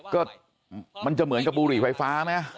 ก็มันจะเหมือนกับบุหรี่ไฟฟ้าไหม